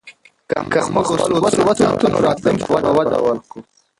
که موږ خپل اصول وساتو، نو راتلونکي ته به وده ورکوو.